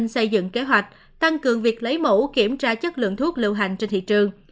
xây dựng kế hoạch tăng cường việc lấy mẫu kiểm tra chất lượng thuốc lưu hành trên thị trường